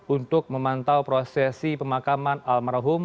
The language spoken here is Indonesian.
untuk memantau prosesi pemakaman almarhum